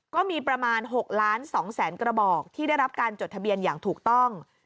ก็มีประมาณ๖ล้าน๒แสนกระบอกที่ได้รับการจดทะเบียนอย่างถูกต้อง